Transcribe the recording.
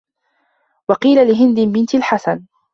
وَقِيلَ لِهِنْدِ بِنْتِ الْحَسَنِ